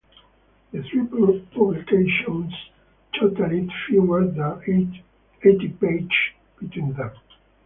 The three publications totalled fewer than eighty pages between them.